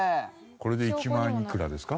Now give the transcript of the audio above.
これで１万いくらですか？